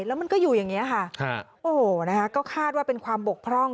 แล้วมันก็อยู่อย่างนี้ค่ะโอ้โหนะคะก็คาดว่าเป็นความบกพร่อง